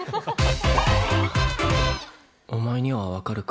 おまえには分かるか？